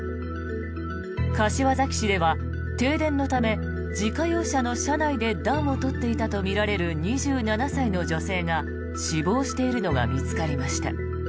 柏崎市では停電のため自家用車の車内で暖を取っていたとみられる２７歳の女性が死亡しているのが見つかりました。